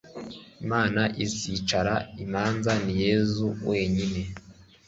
imana izacira imanza. ni yezu wenyine